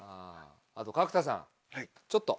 あと角田さんちょっと。